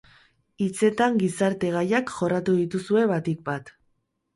Hitzetan gizarte gaiak jorratu dituzue, batik bat.